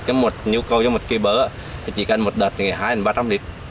chứ một nhu cầu cho một cây bơ chỉ cần một đợt thì hai ba trăm linh lít